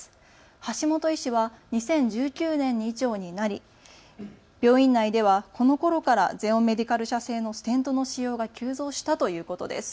橋本医師は２０１９年に医長になり病院内ではこのころからゼオンメディカル社製のステントの使用が急増したということです。